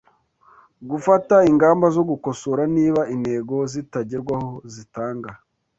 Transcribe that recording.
gufata ingamba zo gukosora niba intego zitagerwaho zitanga